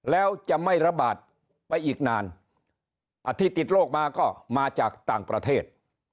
แล้วจะไม่ระบาดไปอีกนานอาทิตย์ติดโรคมาก็มาจากต่างประเทศ